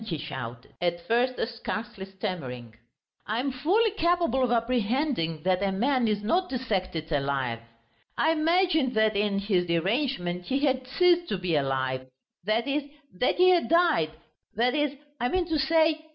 he shouted, at first scarcely stammering, "I am fully capable of apprehending that a man is not dissected alive. I imagined that in his derangement he had ceased to be alive ... that is, that he had died ... that is, I mean to say